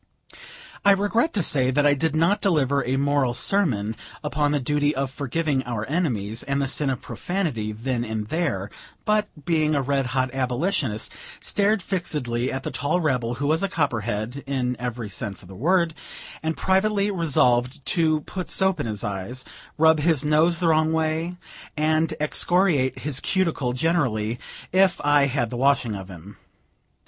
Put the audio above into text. I regret to say that I did not deliver a moral sermon upon the duty of forgiving our enemies, and the sin of profanity, then and there; but, being a red hot Abolitionist, stared fixedly at the tall rebel, who was a copperhead, in every sense of the word, and privately resolved to put soap in his eyes, rub his nose the wrong way, and excoriate his cuticle generally, if I had the washing of him.